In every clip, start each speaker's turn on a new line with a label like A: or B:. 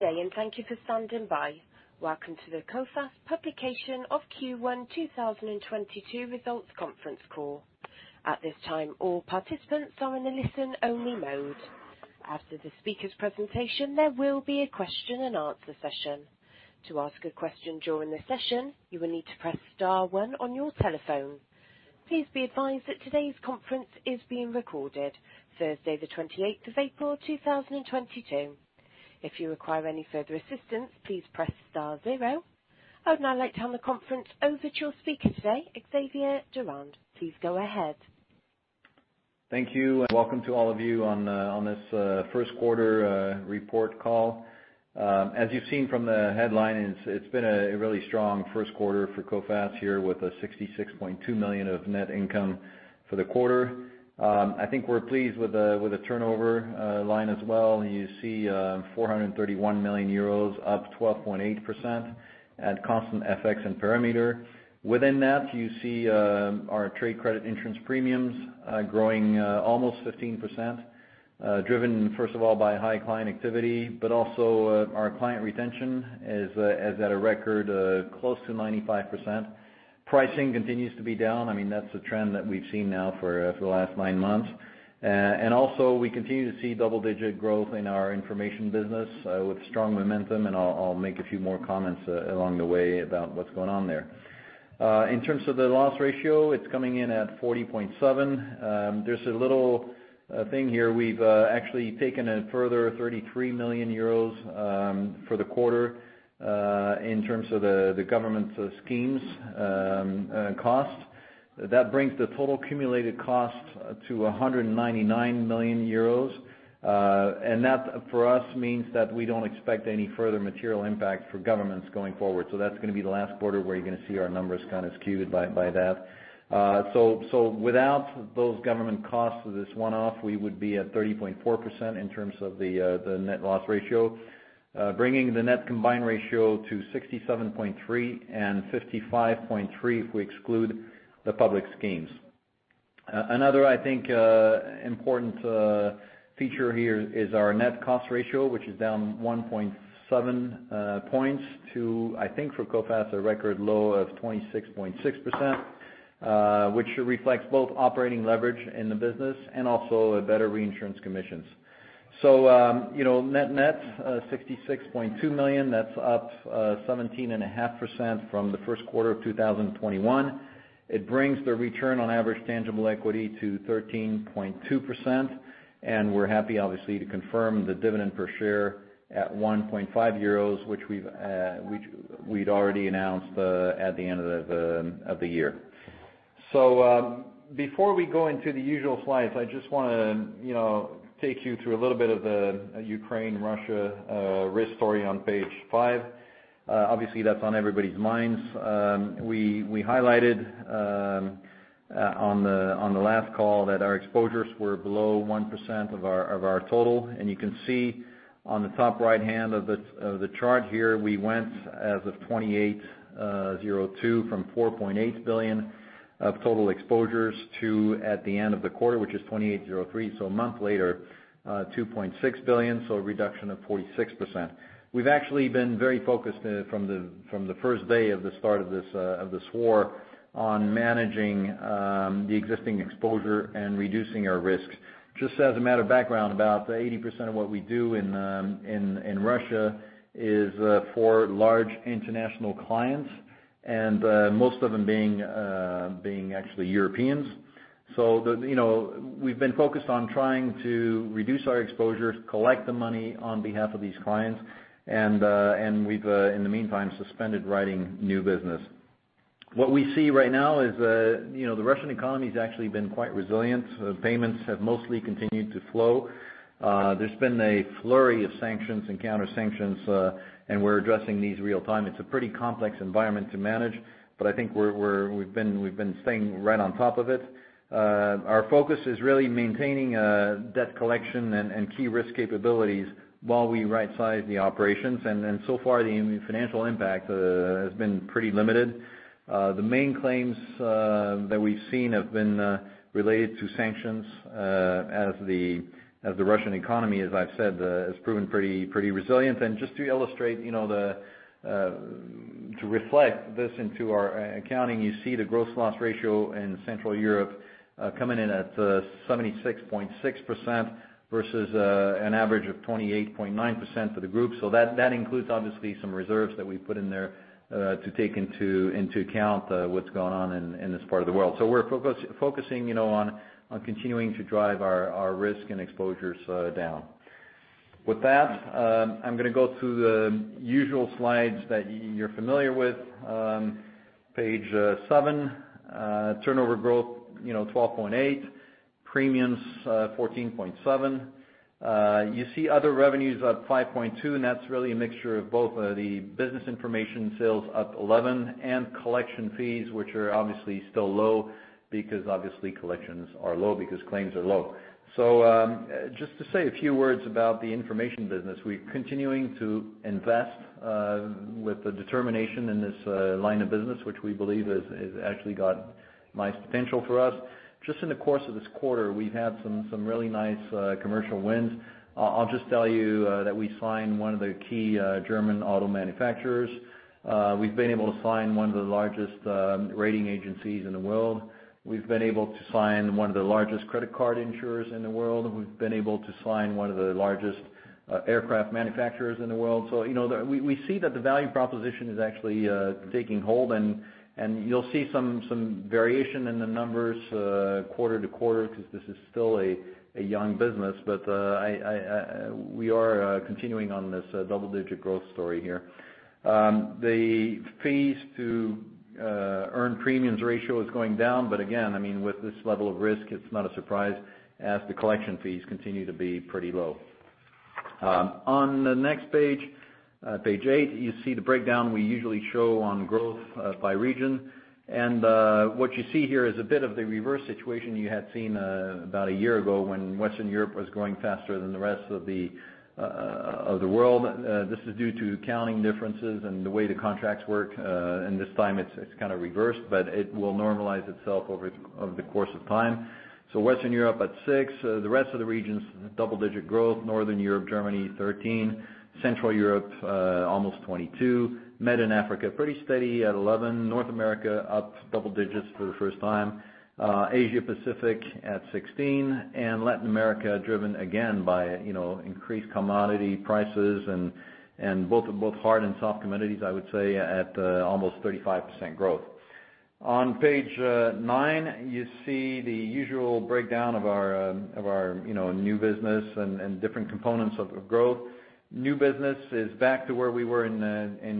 A: Thank you for standing by. Welcome to the Coface publication of Q1 2022 Results conference call. At this time, all participants are in a listen-only mode. After the speaker's presentation, there will be a question-and-answer session. To ask a question during the session, you will need to press star one on your telephone. Please be advised that today's conference is being recorded. Thursday, the 28th of April, 2022. If you require any further assistance, please press star zero. I would now like to hand the conference over to your speaker today, Xavier Durand. Please go ahead.
B: Thank you, and welcome to all of you on this first quarter report call. As you've seen from the headline, it's been a really strong first quarter for Coface here, with 66.2 million of net income for the quarter. I think we're pleased with the turnover line as well. You see, 431 million euros, up 12.8% at constant FX and perimeter. Within that, you see our trade credit insurance premiums growing almost 15%, driven first of all by high client activity, but also our client retention is at a record close to 95%. Pricing continues to be down. I mean, that's a trend that we've seen now for the last nine months. Also we continue to see double-digit growth in our information business, with strong momentum, and I'll make a few more comments along the way about what's going on there. In terms of the loss ratio, it's coming in at 40.7%. There's a little thing here. We've actually taken a further 33 million euros for the quarter, in terms of the government's schemes cost. That brings the total accumulated cost to 199 million euros. That for us means that we don't expect any further material impact for governments going forward. That's gonna be the last quarter where you're gonna see our numbers kind of skewed by that. Without those government costs of this one-off, we would be at 30.4% in terms of the net loss ratio. Bringing the net combined ratio to 67.3 and 55.3, if we exclude the government schemes. Another, I think, important feature here is our net cost ratio, which is down 1.7 points to, I think for Coface, a record low of 26.6%, which reflects both operating leverage in the business and also a better reinsurance commissions. You know, net-net, 66.2 million, that's up 17.5% from the first quarter of 2021. It brings the return on average tangible equity to 13.2%. We're happy, obviously, to confirm the dividend per share at 1.5 euros, which we'd already announced at the end of the year. Before we go into the usual slides, I just wanna, you know, take you through a little bit of the Ukraine-Russia risk story on page 5. Obviously that's on everybody's minds. We highlighted on the last call that our exposures were below 1% of our total. You can see on the top right-hand of the chart here, we went as of 28/02/2022 from 4.8 billion of total exposures to, at the end of the quarter, which is 28/03/2022, so a month later, 2.6 billion, so a reduction of 46%. We've actually been very focused from the first day of this war on managing the existing exposure and reducing our risks. Just as a matter of background, about 80% of what we do in Russia is for large international clients and most of them being actually Europeans. You know, we've been focused on trying to reduce our exposures, collect the money on behalf of these clients, and we've in the meantime suspended writing new business. What we see right now is, you know, the Russian economy's actually been quite resilient. Payments have mostly continued to flow. There's been a flurry of sanctions and counter-sanctions, and we're addressing these in real time. It's a pretty complex environment to manage, but I think we've been staying right on top of it. Our focus is really maintaining debt collection and key risk capabilities while we rightsize the operations. So far the financial impact has been pretty limited. The main claims that we've seen have been related to sanctions, as the Russian economy, as I've said, has proven pretty resilient. Just to illustrate, you know, to reflect this into our accounting, you see the gross loss ratio in Central Europe coming in at 76.6% versus an average of 28.9% for the group. That includes obviously some reserves that we put in there to take into account what's going on in this part of the world. We're focusing, you know, on continuing to drive our risk and exposures down. With that, I'm gonna go through the usual slides that you're familiar with. Page 7, turnover growth, you know, 12.8%. Premiums 14.7%. You see other revenues up 5.2%, and that's really a mixture of both the business information sales up 11% and collection fees, which are obviously still low because obviously collections are low because claims are low. Just to say a few words about the information business, we're continuing to invest with the determination in this line of business, which we believe is actually got nice potential for us. Just in the course of this quarter, we've had some really nice commercial wins. I'll just tell you that we signed one of the key German auto manufacturers. We've been able to sign one of the largest rating agencies in the world. We've been able to sign one of the largest credit card insurers in the world. We've been able to sign one of the largest aircraft manufacturers in the world. You know, we see that the value proposition is actually taking hold and you'll see some variation in the numbers quarter to quarter because this is still a young business. We are continuing on this double-digit growth story here. The fees to earned premiums ratio is going down. Again, I mean, with this level of risk, it's not a surprise as the collection fees continue to be pretty low. On the next page 8, you see the breakdown we usually show on growth by region. What you see here is a bit of the reverse situation you had seen about a year ago when Western Europe was growing faster than the rest of the world. This is due to accounting differences and the way the contracts work. This time it's kind of reversed, but it will normalize itself over the course of time. Western Europe at 6%, the rest of the regions, double-digit growth. Northern Europe, Germany 13%, Central Europe almost 22%, Mediterranean and Africa pretty steady at 11%, North America up double digits for the first time, Asia Pacific at 16%, and Latin America driven again by, you know, increased commodity prices and both hard and soft commodities, I would say, at almost 35% growth. On page 9, you see the usual breakdown of our new business and different components of growth. New business is back to where we were in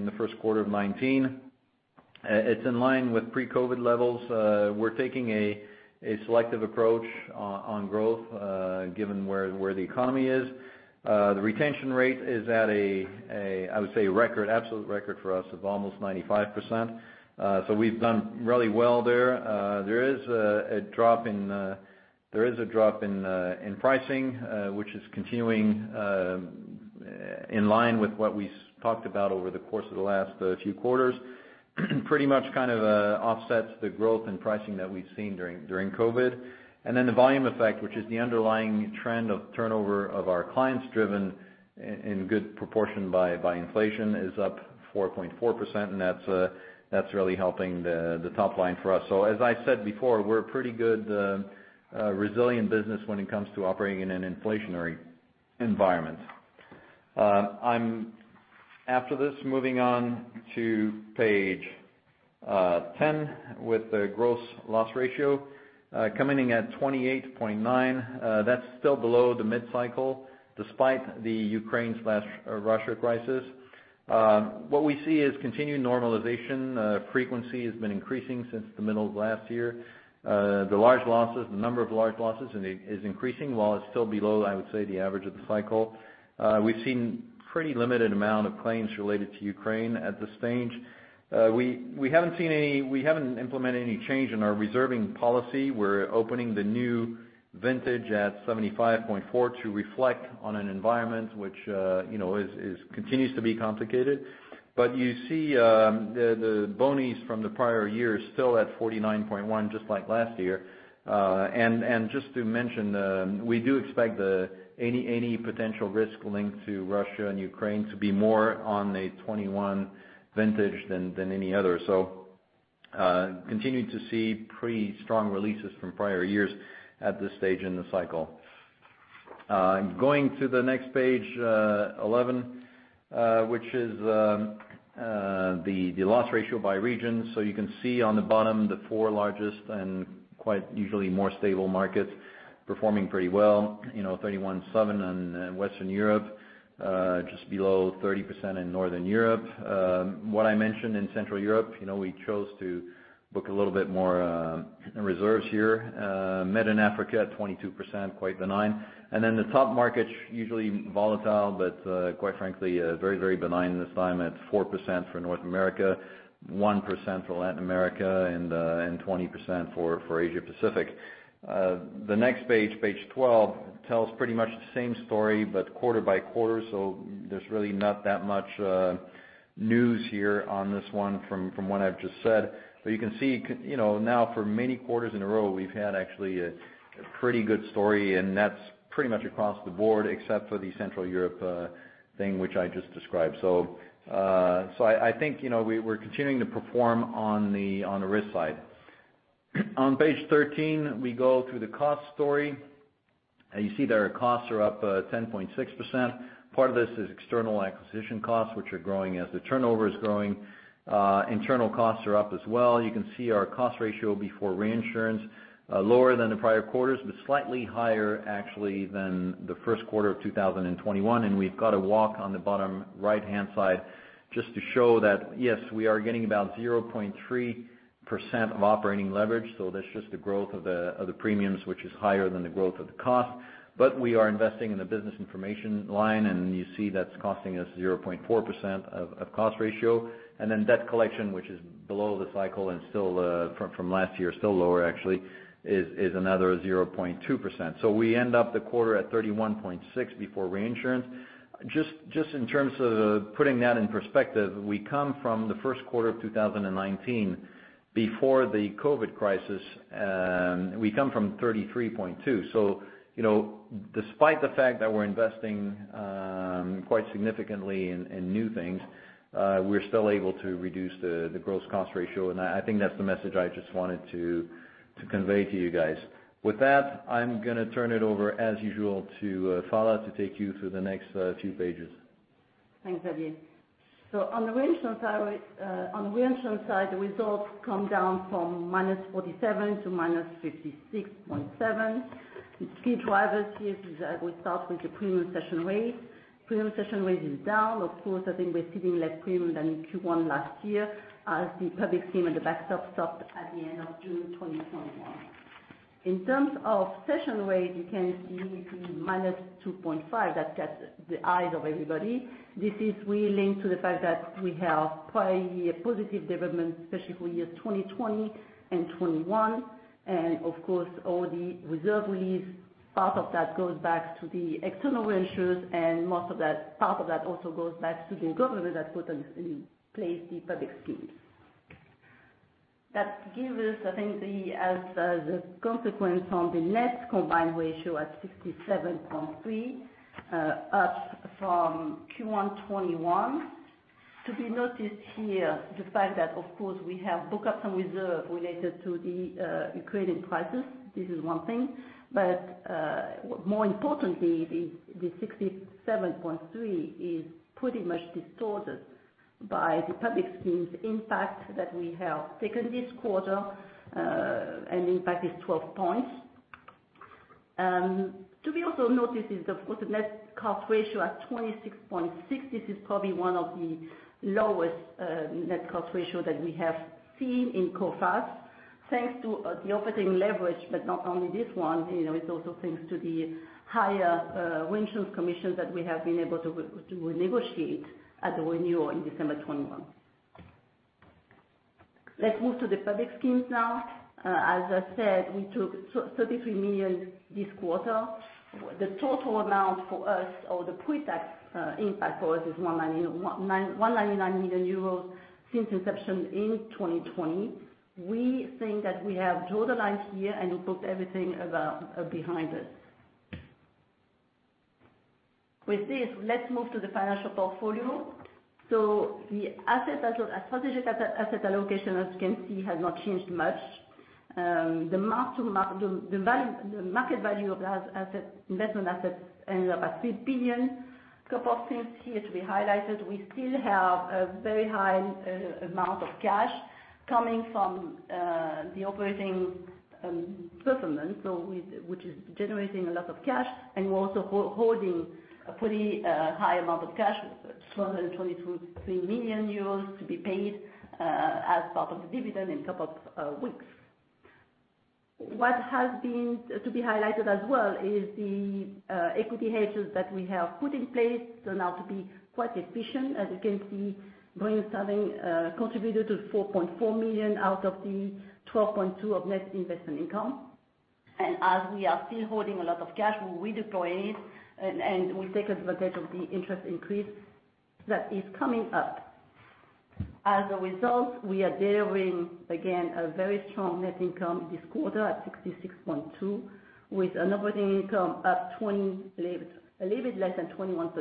B: the first quarter of 2019. It's in line with pre-COVID levels. We're taking a selective approach on growth, given where the economy is. The retention rate is at a I would say absolute record for us of almost 95%. We've done really well there. There is a drop in pricing, which is continuing in line with what we talked about over the course of the last few quarters. Pretty much kind of offsets the growth in pricing that we've seen during COVID. Then the volume effect, which is the underlying trend of turnover of our clients, driven in good proportion by inflation, is up 4.4%, and that's really helping the top line for us. As I said before, we're a pretty good, resilient business when it comes to operating in an inflationary environment. After this, I'm moving on to page 10 with the gross loss ratio coming in at 28.9%. That's still below the mid-cycle, despite the Ukraine-Russia crisis. What we see is continued normalization. Frequency has been increasing since the middle of last year. The number of large losses is increasing, while it's still below, I would say, the average of the cycle. We've seen pretty limited amount of claims related to Ukraine at this stage. We haven't implemented any change in our reserving policy. We're opening the new vintage at 75.4% to reflect on an environment which, you know, continues to be complicated. You see, the bonis from the prior years still at 49.1%, just like last year. Just to mention, we do expect any potential risk linked to Russia and Ukraine to be more on the 2021 vintage than any other. Continuing to see pretty strong releases from prior years at this stage in the cycle. Going to the next page, eleven, which is the loss ratio by region. You can see on the bottom, the four largest and quite usually more stable markets performing pretty well. You know, 31.7% in Western Europe, just below 30% in Northern Europe. What I mentioned in Central Europe, you know, we chose to book a little bit more reserves here. Mediterranean and Africa at 22%, quite benign. The top markets, usually volatile, but quite frankly very benign this time at 4% for North America, 1% for Latin America and 20% for Asia Pacific. The next page 12, tells pretty much the same story, but quarter by quarter. There's really not that much news here on this one from what I've just said. You can see, you know, now for many quarters in a row, we've had actually a pretty good story, and that's pretty much across the board, except for the Central Europe thing which I just described. I think, you know, we're continuing to perform on the risk side. On page 13, we go through the cost story. You see that our costs are up 10.6%. Part of this is external acquisition costs, which are growing as the turnover is growing. Internal costs are up as well. You can see our cost ratio before reinsurance, lower than the prior quarters, but slightly higher actually than the first quarter of 2021. We've got a walk on the bottom right-hand side just to show that, yes, we are getting about 0.3% of operating leverage. That's just the growth of the premiums, which is higher than the growth of the cost. We are investing in the business information line, and you see that's costing us 0.4% of cost ratio. Debt Collection, which is below the cycle and still from last year still lower actually, is another 0.2%. We end up the quarter at 31.6 before reinsurance. Just in terms of putting that in perspective, we come from the first quarter of 2019, before the COVID crisis, we come from 33.2. You know, despite the fact that we're investing quite significantly in new things, we're still able to reduce the gross cost ratio. I think that's the message I just wanted to convey to you guys. With that, I'm gonna turn it over, as usual, to Phalla, to take you through the next few pages.
C: Thanks, Xavier. On the reinsurance side, the results come down from -47 to -56.7. The key drivers here is that we start with the premium cession rate. Premium cession rate is down. Of course, I think we're seeing less premium than in Q1 last year as the public scheme at the backstop stopped at the end of June 2021. In terms of cession rate, you can see -2.5. That catches the eyes of everybody. This is really linked to the fact that we have prior year positive development, especially for year 2020 and 2021. Of course, all the reserve release, part of that goes back to the external reinsurers, and most of that, part of that also goes back to the government that put in place the public schemes. That gives us, I think, the consequence on the net combined ratio at 67.3%, up from Q1 2021. To be noticed here, the fact that, of course, we have booked up some reserve related to the Ukrainian crisis. This is one thing. More importantly, the 67.3% is pretty much distorted by the public scheme's impact that we have taken this quarter. Impact is 12 points. To be also noticed is, of course, the net cost ratio at 26.6%. This is probably one of the lowest net cost ratio that we have seen in Coface, thanks to the operating leverage. Not only this one, you know, it's also thanks to the higher reinsurance commission that we have been able to renegotiate at the renewal in December 2021. Let's move to the public schemes now. As I said, we took 33 million this quarter. The total amount for us of the pre-tax impact for us is 199 million euros since inception in 2020. We think that we have drawn the line here, and we booked everything behind us. With this, let's move to the financial portfolio. The strategic asset allocation, as you can see, has not changed much. The mark to market value of the assets, investment assets ended up at 3 billion. Couple of things here to be highlighted. We still have a very high amount of cash coming from the operating performance, which is generating a lot of cash. We're also holding a pretty high amount of cash, 122.3 million euros to be paid as part of the dividend in a couple of weeks. What has been to be highlighted as well is the equity hedges that we have put in place turned out to be quite efficient. As you can see, uncertain contributed to 4.4 million out of the 12.2 of net investment income. As we are still holding a lot of cash, we'll redeploy it, and we take advantage of the interest increase that is coming up. As a result, we are delivering, again, a very strong net income this quarter at 66.2, with an operating income up 20%, a little bit less than 21%.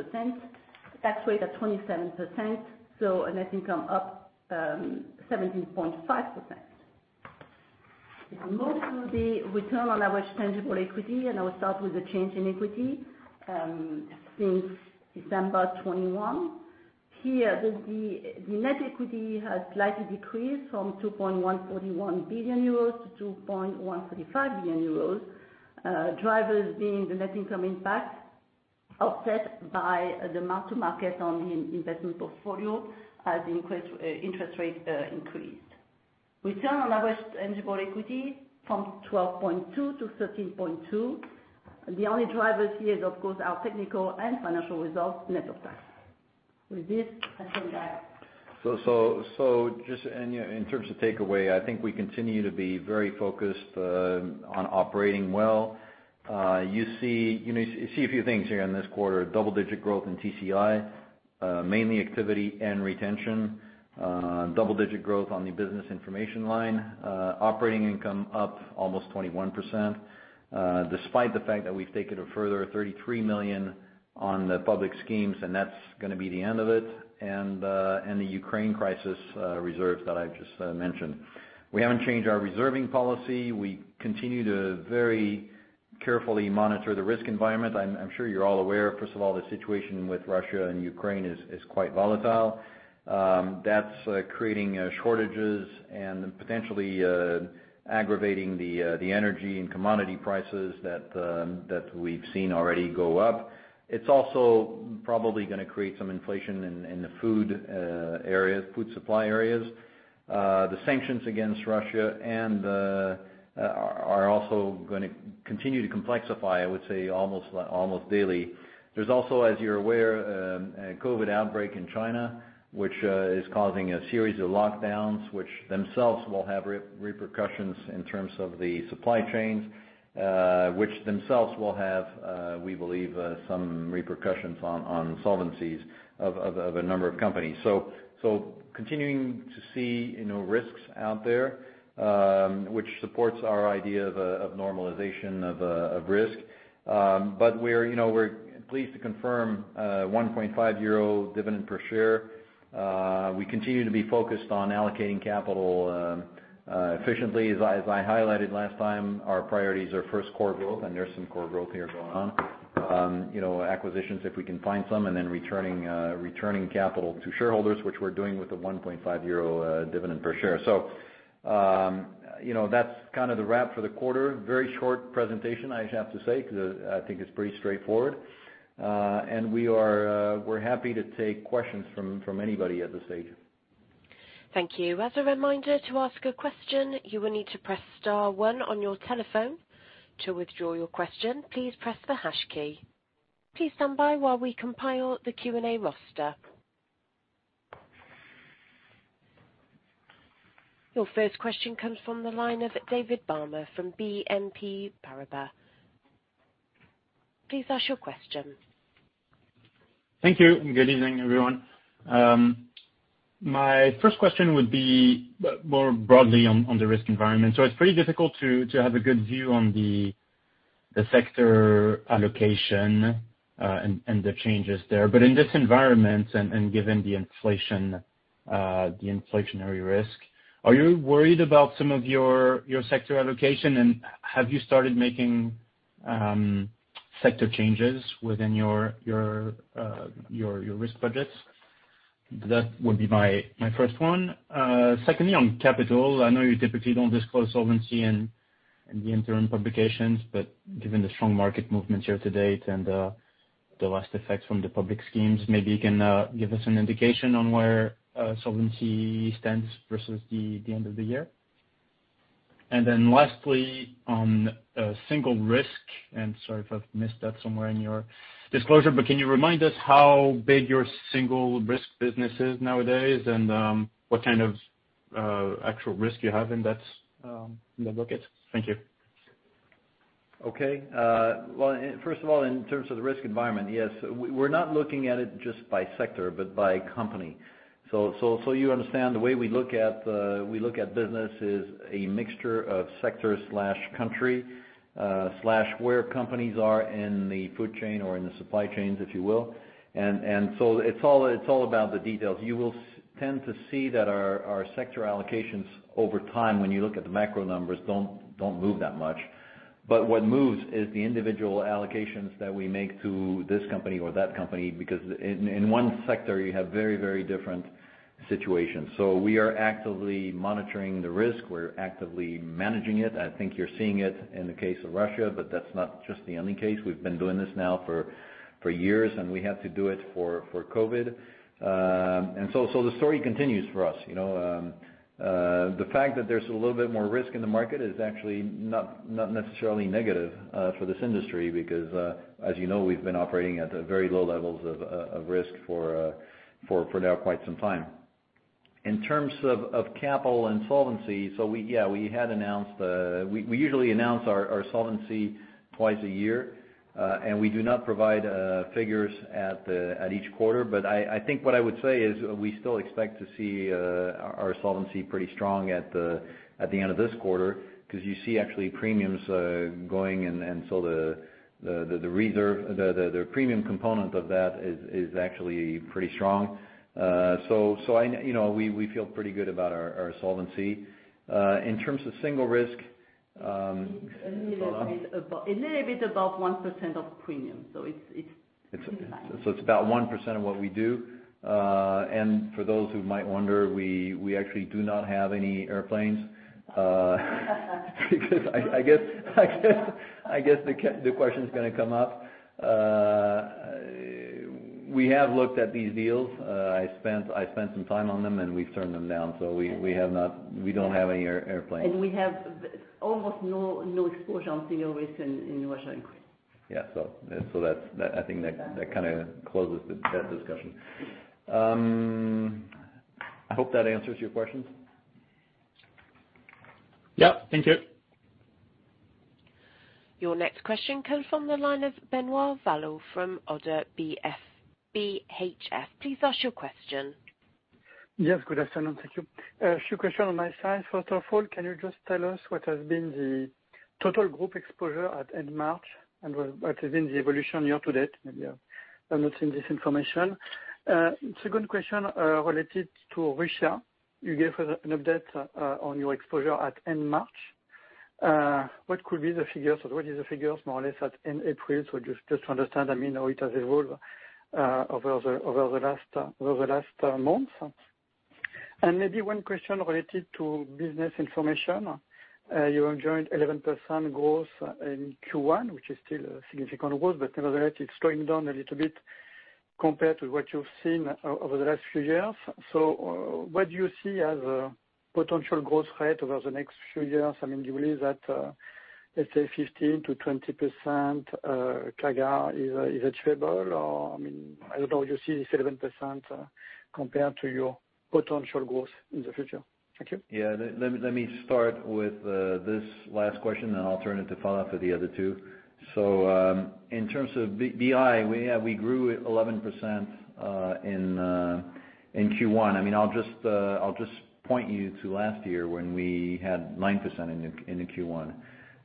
C: Tax rate at 27%, so a net income up 17.5%. If we move to the return on average tangible equity, I will start with the change in equity since December 2021. Here, the net equity has slightly decreased from 2.141 billion euros to 2.135 billion euros. Drivers being the net income impact offset by the mark to market on the investment portfolio as interest rates increased. Return on average tangible equity from 12.2% to 13.2%. The only drivers here is, of course, our technical and financial results net of tax. With this, I hand back.
B: In terms of takeaway, I think we continue to be very focused, you know, on operating well. You see, you know, you see a few things here in this quarter. Double-digit growth in TCI, mainly activity and retention. Double-digit growth on the business information line. Operating income up almost 21%, despite the fact that we've taken a further 33 million on the government schemes, and that's gonna be the end of it, and the Ukraine crisis reserves that I just mentioned. We haven't changed our reserving policy. We continue to very carefully monitor the risk environment. I'm sure you're all aware, first of all, the situation with Russia and Ukraine is quite volatile. That's creating shortages and potentially aggravating the energy and commodity prices that we've seen already go up. It's also probably gonna create some inflation in the food supply areas. The sanctions against Russia and they are also gonna continue to complexify, I would say almost daily. There's also, as you're aware, a COVID outbreak in China which is causing a series of lockdowns, which themselves will have repercussions in terms of the supply chains. Which themselves will have, we believe, some repercussions on solvency of a number of companies. Continuing to see, you know, risks out there, which supports our idea of normalization of risk. We're, you know, pleased to confirm 1.5 euro dividend per share. We continue to be focused on allocating capital efficiently. As I highlighted last time, our priorities are, first, core growth, and there's some core growth here going on. You know, acquisitions, if we can find some, and then returning capital to shareholders, which we're doing with the 1.5 euro dividend per share. You know, that's kind of the wrap for the quarter. Very short presentation, I have to say, 'cause I think it's pretty straightforward. We're happy to take questions from anybody at this stage.
A: Thank you. As a reminder, to ask a question, you will need to press star one on your telephone. To withdraw your question, please press the hash key. Please stand by while we compile the Q&A roster. Your first question comes from the line of David Balmer from BNP Paribas. Please ask your question.
D: Thank you and good evening, everyone. My first question would be, more broadly on the risk environment. It's pretty difficult to have a good view on the sector allocation and the changes there. In this environment and given the inflation, the inflationary risk, are you worried about some of your sector allocation? Have you started making sector changes within your risk budgets? That would be my first one. Secondly, on capital, I know you typically don't disclose solvency in the interim publications, but given the strong market movement year to date and the last effect from the government schemes, maybe you can give us an indication on where solvency stands versus the end of the year. Then lastly, on single risk, and sorry if I've missed that somewhere in your disclosure, but can you remind us how big your single risk business is nowadays and what kind of actual risk you have in that bucket? Thank you.
B: Okay. Well, first of all, in terms of the risk environment, yes. We're not looking at it just by sector, but by company. You understand the way we look at business is a mixture of sector/country slash where companies are in the food chain or in the supply chains, if you will. It's all about the details. You will tend to see that our sector allocations over time, when you look at the macro numbers, don't move that much. What moves is the individual allocations that we make to this company or that company, because in one sector you have very different situations. We are actively monitoring the risk. We're actively managing it. I think you're seeing it in the case of Russia, but that's not just the only case. We've been doing this now for years, and we had to do it for COVID. The story continues for us, you know. The fact that there's a little bit more risk in the market is actually not necessarily negative for this industry, because as you know, we've been operating at very low levels of risk for now quite some time. In terms of capital and solvency, we had announced. We usually announce our solvency twice a year, and we do not provide figures at each quarter. I think what I would say is we still expect to see our solvency pretty strong at the end of this quarter, 'cause you see actually premiums going and so the reserve, the premium component of that is actually pretty strong. So I, you know, we feel pretty good about our solvency. In terms of single risk.
C: It's a little bit above.
B: Uh-
C: A little bit above 1% of premium. It's
B: It's about 1% of what we do. For those who might wonder, we actually do not have any airplanes because I guess the question's gonna come up. We have looked at these deals. I spent some time on them, and we've turned them down. We don't have any airplanes.
C: We have almost no exposure on single risk in Russia and Ukraine.
B: Yeah. That's that. I think that kinda closes that discussion. I hope that answers your questions.
D: Yeah. Thank you.
A: Your next question comes from the line of Benoît Valleaux from ODDO BHF. Please ask your question.
E: Yes. Good afternoon. Thank you. A few questions on my side. First of all, can you just tell us what has been the total group exposure at end March? What has been the evolution year to date? Maybe I'm not seeing this information. Second question, related to Russia. You gave us an update on your exposure at end March. What could be the figures or what is the figures more or less at end April? Just to understand, I mean, how it has evolved over the last months. Maybe one question related to business information. You enjoyed 11% growth in Q1, which is still a significant growth, but nevertheless, it's going down a little bit compared to what you've seen over the last few years. What do you see as a potential growth rate over the next few years? I mean, do you believe that, let's say 15%-20% CAGR is achievable? I mean, I don't know, you see this 11% compared to your potential growth in the future. Thank you.
B: Let me start with this last question, and I'll turn it to Phalla Gervais for the other two. In terms of BI, we grew at 11% in Q1. I mean, I'll just point you to last year when we had 9% in the Q1.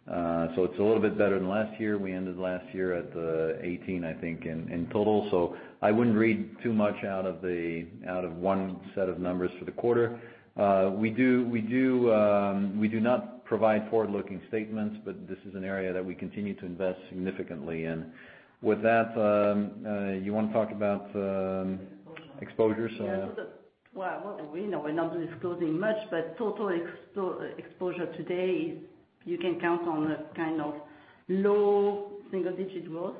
B: It's a little bit better than last year. We ended last year at 18%, I think, in total. I wouldn't read too much out of one set of numbers for the quarter. We do not provide forward-looking statements, but this is an area that we continue to invest significantly in. With that, you wanna talk about exposures?
C: Yeah. Well, what we know, we're not disclosing much, but total exposure today is you can count on a kind of low single-digit% growth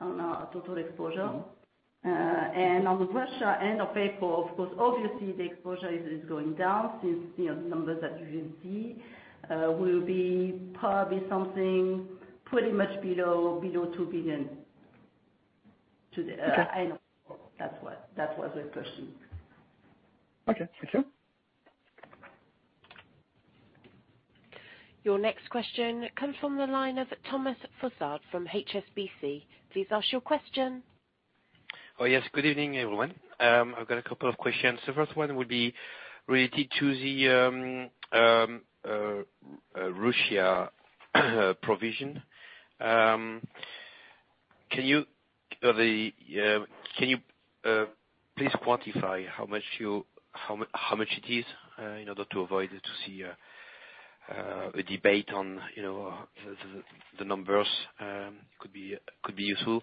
C: on our total exposure. On the Russia end of April, of course, obviously the exposure is going down since, you know, numbers that you will see will be probably something pretty much below 2 billion to the,
E: Okay.
C: I know. That's what, that was the question.
E: Okay. Thank you.
A: Your next question comes from the line of Thomas Fossard from HSBC. Please ask your question.
F: Oh, yes. Good evening, everyone. I've got a couple of questions. The first one would be related to the Russia provision. Can you please quantify how much it is in order to avoid to see a debate on, you know, the numbers, could be useful.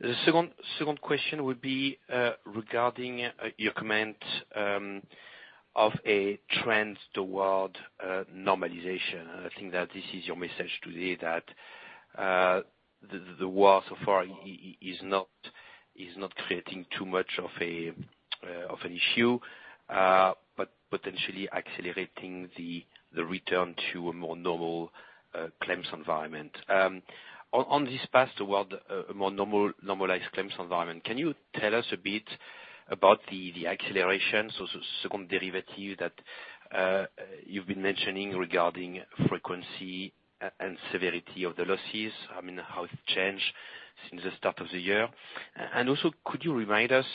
F: The second question would be regarding your comment of a trend toward normalization. I think that this is your message today that the war so far is not creating too much of an issue but potentially accelerating the return to a more normal claims environment. On this path toward a more normal, normalized claims environment, can you tell us a bit about the acceleration, so second derivative that you've been mentioning regarding frequency and severity of the losses, I mean, how it's changed since the start of the year? Also could you remind us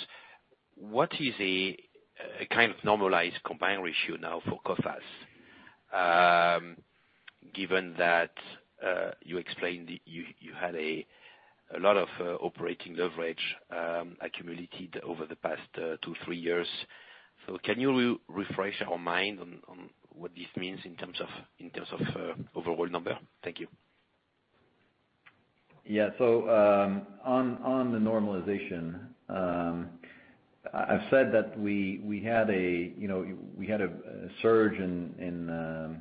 F: what is a kind of normalized combined ratio now for Coface, given that you explained you had a lot of operating leverage accumulated over the past two, three years. Can you refresh our mind on what this means in terms of overall number? Thank you.
B: On the normalization, I've said that we had a surge, you know,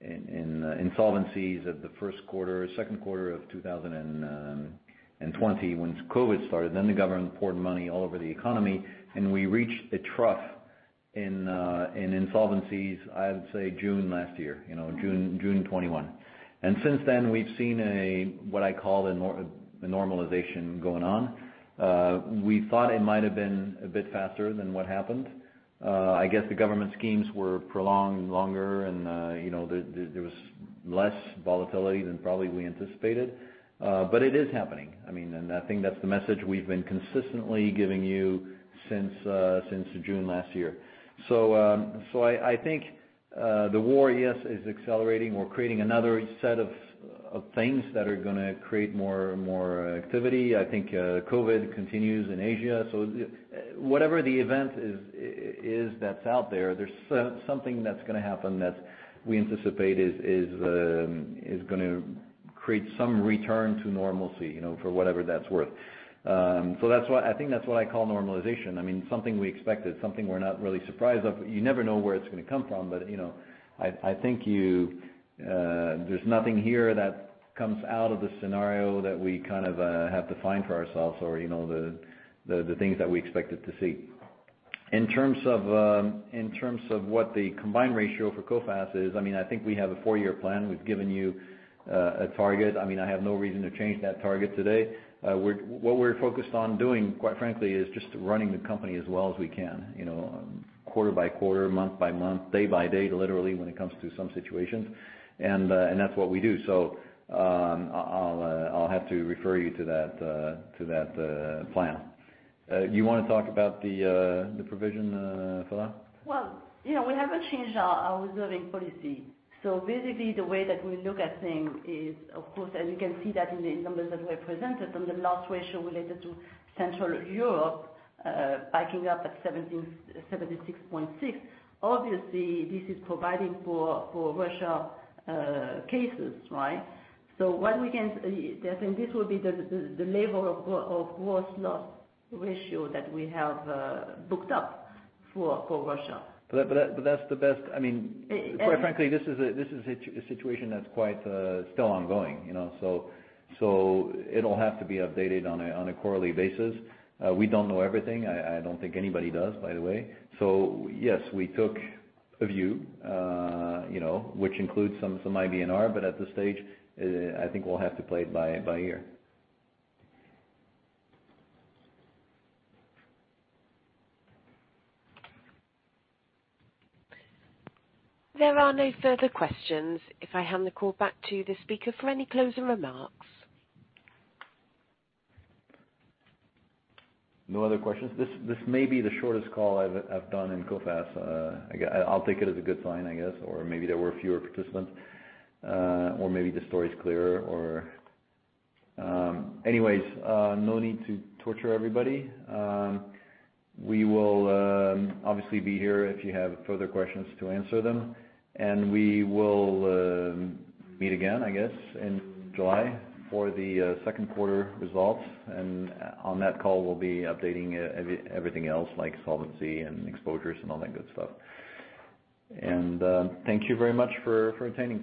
B: in insolvencies at the first quarter, second quarter of 2020 when COVID started. The government poured money all over the economy and we reached a trough in insolvencies, I'd say June last year, you know, June 2021. Since then we've seen what I call a normalization going on. We thought it might have been a bit faster than what happened. I guess the government schemes were prolonged longer and, you know, there was less volatility than probably we anticipated. It is happening. I mean, I think that's the message we've been consistently giving you since June last year. I think the war, yes, is accelerating or creating another set of things that are gonna create more activity. I think COVID continues in Asia. Whatever the event is, that's out there's something that's gonna happen that we anticipate is gonna create some return to normalcy, you know, for whatever that's worth. That's what I think that's what I call normalization. I mean, something we expected, something we're not really surprised of. You never know where it's gonna come from. You know, I think you, there's nothing here that comes out of the scenario that we kind of have to find for ourselves or, you know, the things that we expected to see. In terms of what the combined ratio for Coface is, I mean, I think we have a four-year plan. We've given you a target. I mean, I have no reason to change that target today. What we're focused on doing, quite frankly, is just running the company as well as we can, you know, quarter by quarter, month by month, day by day, literally when it comes to some situations. That's what we do. I'll have to refer you to that plan. You wanna talk about the provision, Phalla?
C: You know, we haven't changed our reserving policy. Basically the way that we look at things is, of course, and you can see that in the numbers that were presented on the loss ratio related to Central Europe, backing up at 76.6%. Obviously this is providing for Russia cases, right? I think this will be the level of gross loss ratio that we have booked up for Russia.
B: That's the best, I mean.
C: And-
B: Quite frankly, this is a situation that's quite still ongoing, you know. It'll have to be updated on a quarterly basis. We don't know everything. I don't think anybody does, by the way. Yes, we took a view, you know, which includes some IBNR, but at this stage, I think we'll have to play it by ear.
A: There are no further questions. If I hand the call back to the speaker for any closing remarks.
B: No other questions. This may be the shortest call I've done in Coface. I'll take it as a good sign, I guess, or maybe there were fewer participants, or maybe the story's clearer. Anyways, no need to torture everybody. We will obviously be here if you have further questions to answer them, and we will meet again, I guess, in July for the second quarter results. On that call we'll be updating everything else like solvency and exposures and all that good stuff. Thank you very much for attending.